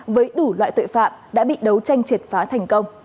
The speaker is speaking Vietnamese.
với đủ loại tội phạm đã bị đấu tranh triệt phá thành công